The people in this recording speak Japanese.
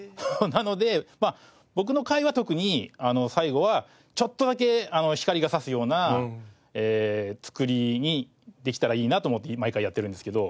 なので僕の回は特に最後はちょっとだけ光が差すような作りにできたらいいなと思って毎回やってるんですけど。